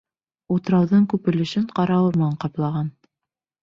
Утрауҙың күп өлөшөн ҡара урман ҡаплаған.